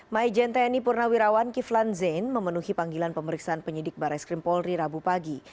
mai jenteni purnawirawan kiflan zain memenuhi panggilan pemeriksaan penyidik barai skrim polri rabu pagi